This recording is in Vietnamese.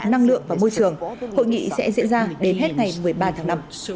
năng lượng và môi trường hội nghị sẽ diễn ra đến hết ngày một mươi ba tháng năm